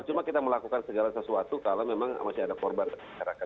cuma kita melakukan segala sesuatu kalau memang masih ada korban dari masyarakat